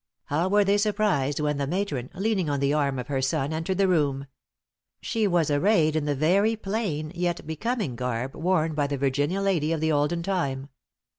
How were they surprised when the matron, leaning on the arm of her son, entered the room! She was arrayed in the very plain, yet becoming garb worn by the Virginia lady of the olden time.